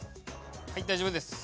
はい大丈夫です。